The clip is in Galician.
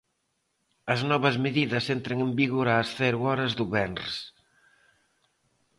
As novas medidas entran en vigor ás cero horas do venres.